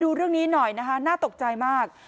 ดูเรื่องนี้หน่อยนะคะน่าตกใจมาก